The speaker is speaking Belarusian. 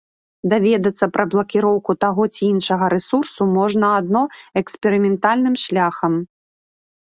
Даведацца пра блакіроўку таго ці іншага рэсурсу можна адно эксперыментальным шляхам.